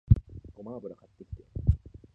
ごま油買ってきて